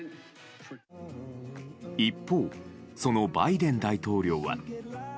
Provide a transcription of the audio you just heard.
一方、そのバイデン大統領は。